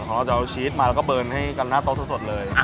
ของเราจะเอาชีสมาแล้วก็เบิร์นให้กันหน้าโต๊ะสดเลย